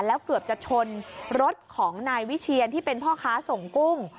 แล้วเกือบจะชนรถของนายวิเชียนที่เป็นพ่อค้าส่งกุ้ง